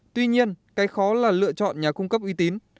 tuy nhiên cái khó là lựa chọn nhà cung cấp uy tín